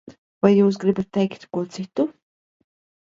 Vai jūs gribat teikt ko citu?